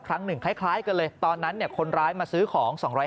ครั้งหนึ่งคล้ายกันเลยตอนนั้นคนร้ายมาซื้อของ๒๕๐